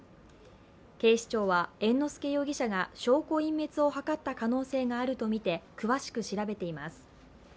警視庁は猿之助容疑者が証拠隠滅を図った可能性があるとみて詳しく調べています。